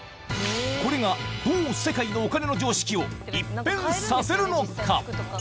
これがどう世界のお金の常識を一変させるのか。